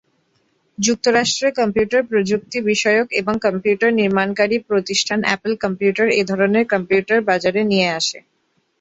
যুক্তরাষ্ট্রের কম্পিউটার প্রযুক্তি বিষয়ক এবং কম্পিউটার নির্মাণকারী প্রতিষ্ঠান অ্যাপল কম্পিউটার এ ধরনের কম্পিউটার বাজারে নিয়ে আসে।